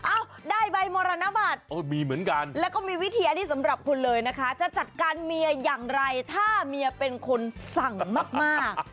ได้ใบมรณบัตรโอ้มีเหมือนกันแล้วก็มีวิธีอันนี้สำหรับคุณเลยนะคะจะจัดการเมียอย่างไรถ้าเมียเป็นคนสั่งมาก